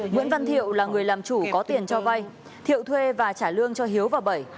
nguyễn văn thiệu là người làm chủ có tiền cho vay thiệu thuê và trả lương cho hiếu và bảy